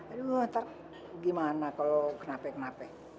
aduh ntar gimana kalau kenapa kenapa